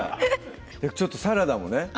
ちょっとサラダもね